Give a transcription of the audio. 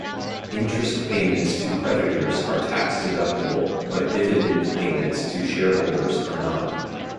Interest payments to creditors are tax deductible, but dividend payments to shareholders are not.